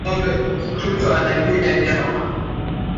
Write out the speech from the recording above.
Mtoto analilia nyama